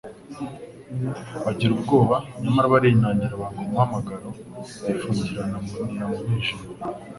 bagira ubwoba; nyamara barinangiye banga umuhamagaro, bifungiranira mu mwijima.